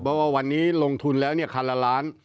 เพราะว่าวันนี้ลงทุนแล้วคันละล้าน